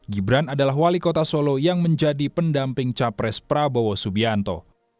gibran adalah wali kota solo yang menjadi pendamping capres prabowo subianto